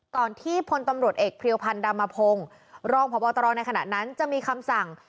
ที่พลตำรวจเอกเพรียวพันธ์ดามพงศ์รองพบตรในขณะนั้นจะมีคำสั่ง